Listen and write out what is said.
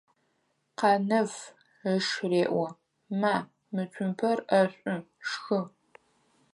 Къанэф ыш реӏо: «Ма, мы цумпэр ӏэшӏу, шхы!».